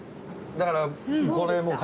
だからこれもう。